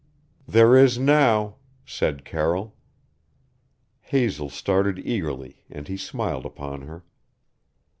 "There is now," said Carroll. Hazel started eagerly and he smiled upon her.